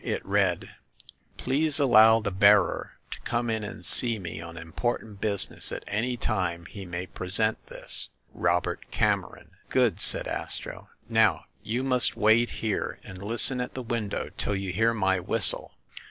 It read: "Please allow the bearer to come in and see me on important business at any time he may present this. ROBERT CAMERON." "Good !" said Astro. "Now you must wait here and listen at the window till you hear my whistle.